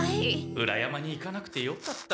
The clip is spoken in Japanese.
裏山に行かなくてよかった。